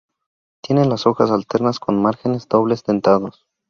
Tiene las hojas alternas con márgenes doble dentados.